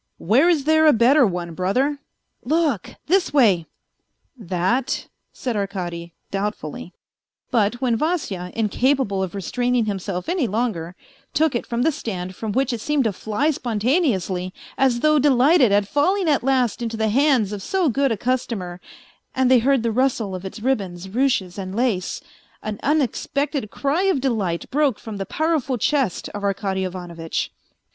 " Where is there a better one, brother ?"" Look; this way." " That," said Arkady, doubtfully. But when Vasya, incapable of restraining himself any longer, took it from the stand from which it seemed to fly spontaneously, as though delighted at falling at last into the hands of so good a customer, and they heard the rustle of its ribbons, ruches and lace, an unexpected cry of delight broke from the powerful chest of Arkady Ivanovitch.